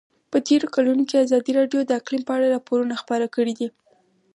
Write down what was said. په تېرو کلونو کې ازادي راډیو د اقلیم په اړه راپورونه خپاره کړي دي.